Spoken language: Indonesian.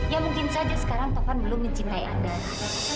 ya mungkin saja sekarang taufan belum mencintai andara